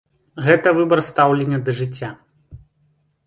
Гэта выбар стаўлення да жыцця.